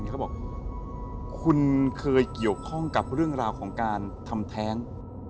เขาบอกคุณเคยเกี่ยวข้องกับเรื่องราวของการทำแท้ง